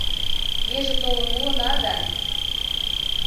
Меже толын улына да